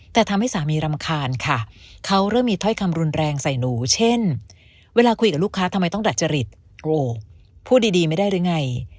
แต่ทำให้สามีรำคาญค่ะเขาเริ่มมีถ้อยคำรุนแรงใส่หนูเช่นเวลาคุยกับลูกค้าทำไมต้องดัดจริตพูดดีไม่ได้หรือไง